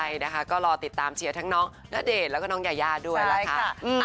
ใช่นะคะก็รอติดตามเชียร์ทั้งน้องณเดชน์แล้วก็น้องยายาด้วยล่ะค่ะ